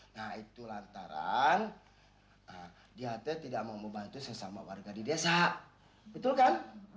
nah itu lantaran diat tidak mau membantu sesama warga di desa betul kan